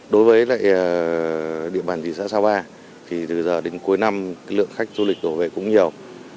đối với địa bàn thị xã xà và từ giờ đến cuối năm lượng khách du lịch đổ về cũng nhiều